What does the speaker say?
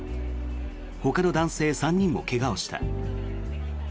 ほかの男性３人も怪我をした。